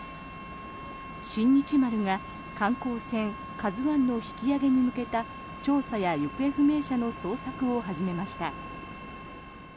「新日丸」が観光船「ＫＡＺＵ１」の引き揚げに向けた調査や行方不明者の捜索を始めました。